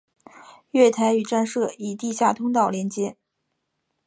月台与站舍以地下通道连结。